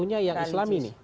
ya yang islami nih